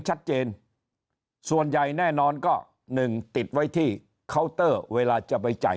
ชัดเจนส่วนใหญ่แน่นอนก็หนึ่งติดไว้ที่เวลาจะไปจ่าย